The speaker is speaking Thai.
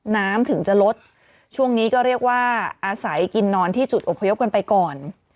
น้ำถึงจะลดช่วงนี้ก็เรียกว่าอาศัยกินนอนที่จุดอบพยพกันไปก่อน